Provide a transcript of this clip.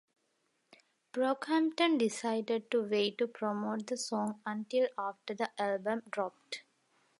Brockhampton decided to wait to promote the song until after the album dropped.